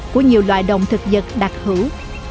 của nhiều loài đồng thực vật đặc hữu